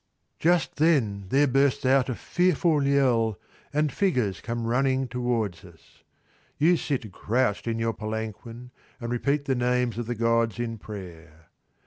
Just then there bursts out a fearful yell, and figures come running towards us. You sit crouched in your palanquin and repeat the names of the gods in prayer.